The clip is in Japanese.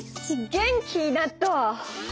元気になった！